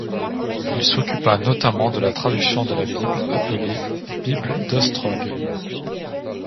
Il s'occupa notamment de la traduction de la Bible appelée Bible d'Ostrog.